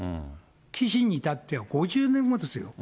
岸に至っては５０年後ですよ。